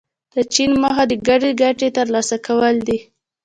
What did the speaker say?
د چین موخه د ګډې ګټې ترلاسه کول دي.